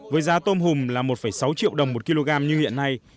với giá tôm hùm là một sáu triệu đồng một kg như hiện nay